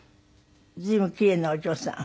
随分奇麗なお嬢さん。